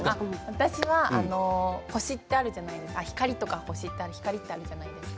私は星ってあるじゃないですか光ってあるじゃないですか。